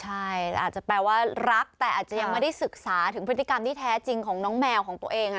ใช่อาจจะแปลว่ารักแต่อาจจะยังไม่ได้ศึกษาถึงพฤติกรรมที่แท้จริงของน้องแมวของตัวเอง